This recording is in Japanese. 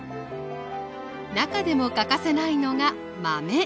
中でも欠かせないのが「豆」。